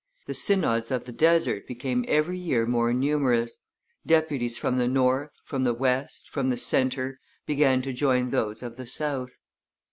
The synods of the desert became every year more numerous; deputies from the North, from the West, from the Centre, began to join those of the South.